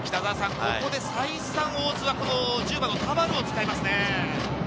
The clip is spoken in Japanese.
ここで再三、大津は１０番の田原を使いますね。